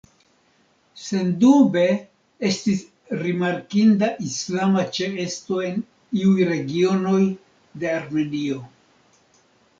Sendube, estis rimarkinda islama ĉeesto en iuj regionoj de Armenio.